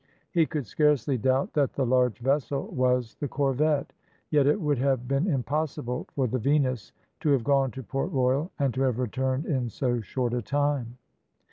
He could scarcely doubt that the large vessel was the corvette, yet it would have been impossible for the Venus to have gone to Port Royal, and to have returned in so short a time.